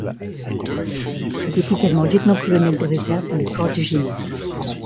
Il est également lieutenant-colonel de réserve dans le corps du génie.